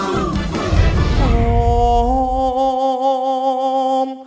ร้องได้ให้ร้าง